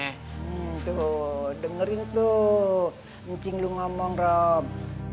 nih tuh dengerin tuh ncing lo ngomong rob